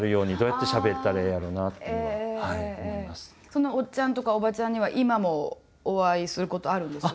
そのおっちゃんとかおばちゃんには今もお会いすることあるんです？